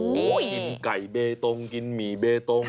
โอ้โหกินไก่เบตงกินหมี่เบตง